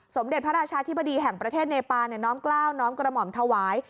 สมเด็จพระราชาธิบดีแห่งประเทศเนปาน้อมกล้าวน้อมกระหม่อมถวาย